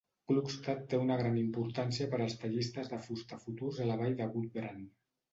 Klukstad té una gran importància per als tallistes de fusta futurs a la vall de Gudbrand.